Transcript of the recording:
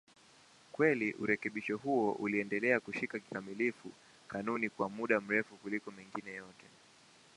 Kweli urekebisho huo uliendelea kushika kikamilifu kanuni kwa muda mrefu kuliko mengine yote.